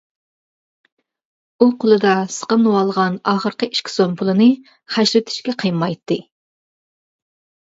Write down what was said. ئۇ قولىدا سىقىملىۋالغان ئاخىرقى ئىككى سوم پۇلىنى خەجلىۋېتىشكە قىيمايتتى.